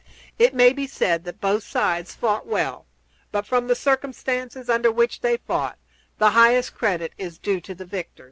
It may be said that both sides fought well; but, from the circumstances under which they fought, the highest credit is due to the victors.